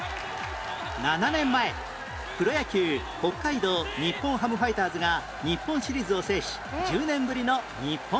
７年前プロ野球北海道日本ハムファイターズが日本シリーズを制し１０年ぶりの日本一に